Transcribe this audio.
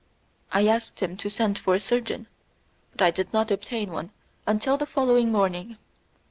I asked him to send for a surgeon, but I did not obtain one until the following morning.